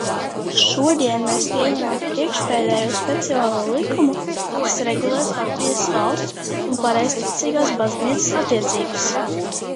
Šodien mēs pieņemam priekšpēdējo speciālo likumu, kas regulēs Latvijas valsts un Pareizticīgās baznīcas attiecības.